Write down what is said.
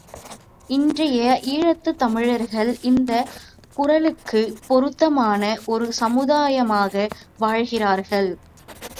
இன்றைய ஈழத்துத் தமிழர்கள் இந்தக் குறளுக்குப் பொருத்தமான ஒரு சமுதாயமாகவா வாழ்கிறார்கள்?